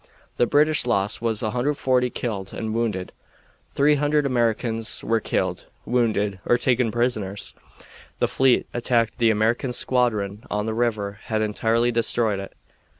The British loss was 140 killed and wounded; 300 Americans were killed, wounded, or taken prisoners. The fleet attacked the American squadron on the river and entirely destroyed it.